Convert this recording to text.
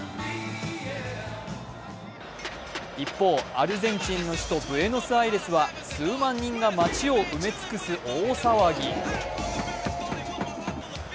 一方、アルゼンチンの首都ブエノスアイレスは数万人が街を埋め尽くす大騒ぎ。